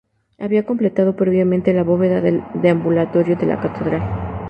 Había completado previamente la bóveda del deambulatorio de la catedral.